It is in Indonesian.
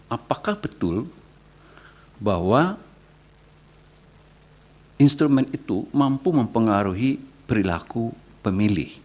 apakah betul bahwa instrumen itu mampu mempengaruhi perilaku pemilih